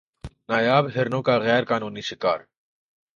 نایاب ہرنوں کا غیر قانونی شکار